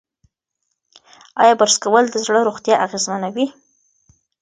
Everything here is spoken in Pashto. ایا برس کول د زړه روغتیا اغېزمنوي؟